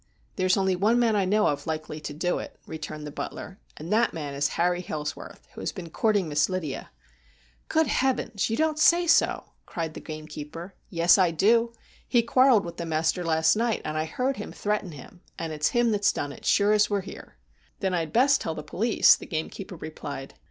' There is only one man I know of likely to do it,' returned the butler, ' and that man is Harry Hailsworth, who has been courting Miss Lydia.' ' Good Heavens ! you don't say so,' cried the gamekeeper. ' Yes, I do. He quarrelled with the master last night, and I heard him threaten him, and it's him that's done it as sure as we are here.' ' Then I had best tell the police,' the gamekeeper replied.